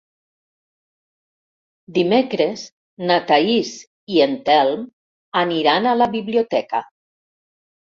Dimecres na Thaís i en Telm aniran a la biblioteca.